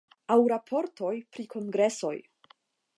Aŭ raportoj pri kongresoj.